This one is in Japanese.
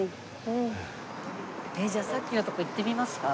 じゃあさっきのとこ行ってみますか？